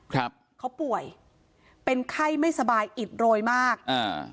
ครับเขาป่วยเป็นไข้ไม่สบายอิดโรยมากอ่า